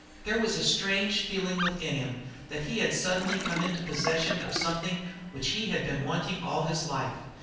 There was a strange feeling within him that he had suddenly come into possession of something which he had been wanting all his life.